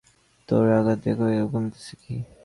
দ্বারে আঘাত দিয়া কহিল, ঘুমাইতেছ কি।